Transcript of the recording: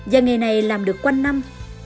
và nghề này làm được quanh năm